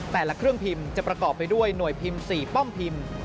แต่ละเครื่องพิมพ์จะประกอบไปด้วยหน่วยพิมพ์๔ป้อมพิมพ์